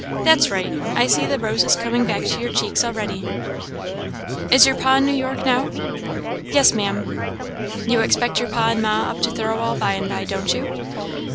That's right! I see the roses coming back to your cheeks already?" "Is your pa in New York now?" "Yes, Maam." "You expect your pa and ma up to Thirlwall by and by, don't you?"